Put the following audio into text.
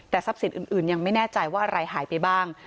แต่ทรัพย์สินอื่นยังไม่แน่ใจว่าอะไรหายไปบ้าง